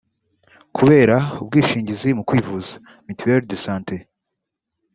Kubera Ubwishingizi mu kwivuza (mituelle de sante)